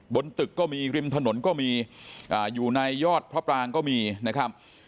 บนตึกก็มีริมถนนก็มีอยู่ในยอดพระปรางก็มีนะครับ